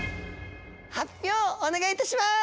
発表をお願いいたします。